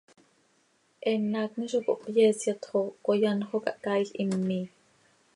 Eenm haacni zo cohpyeesyat xo coi anxö oo cahcaail him miii.